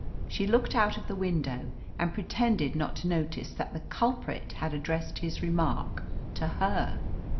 She looked out of the window, and pretended not to notice that the culprit had addressed his remark to her.